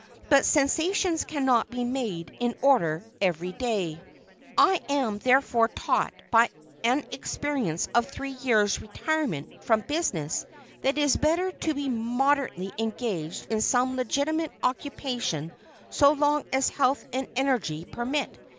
But "sensations" cannot be made to order every day. I am, therefore, taught by an experience of three years' "retirement" from business, that it is better to be moderately engaged in some legitimate occupation so long as health and energy permit.